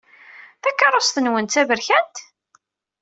Takeṛṛust-nwen d taberkant?